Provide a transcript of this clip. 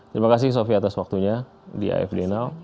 terima kasih sofi atas waktunya di ifdnl